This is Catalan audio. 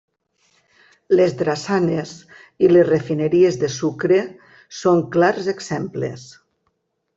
Les drassanes i les refineries de sucre són clars exemples.